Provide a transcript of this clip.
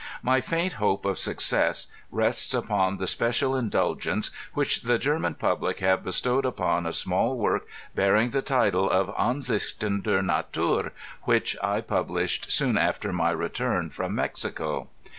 My fiunt hope of success rests upon the special indulgence which the German public have bestowed upon a small work bearing the title of Ansidv" ten der NatuTt which I published soon after my return from Mexico.